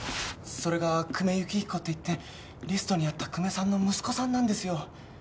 それが久米幸彦っていってリストにあった久米さんの息子さんなんですよ